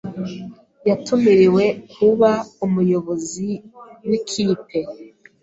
Yatumiriwe kuba umuyobozi wikipe.